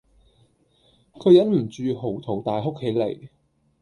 佢忍唔住嚎啕大哭起嚟